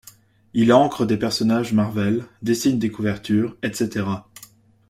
Il encre des personnages Marvel, dessine des couvertures, etc.